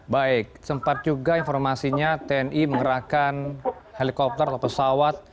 baik sempat juga informasinya tni mengerahkan helikopter atau pesawat